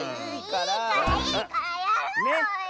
いいからいいからやろうよ。